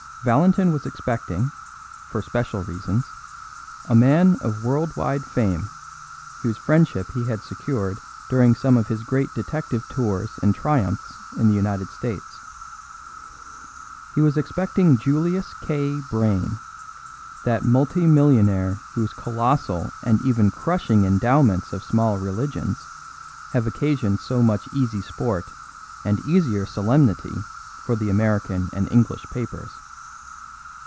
Valentin was expecting, for special reasons, a man of world wide fame, whose friendship he had secured during some of his great detective tours and triumphs in the United States. He was expecting Julius K. Brayne, that multi millionaire whose colossal and even crushing endowments of small religions have occasioned so much easy sport and easier solemnity for the American and English papers.